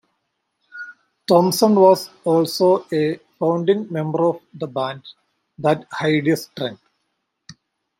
Thompson was also a founding member of the band That Hideous Strength.